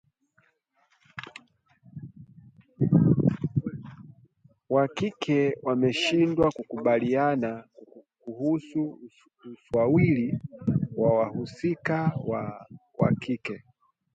wa kike wameshindwa kukubaliana kuhusu usawiri wa wahusika wa kike